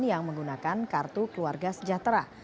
yang menggunakan kartu keluarga sejahtera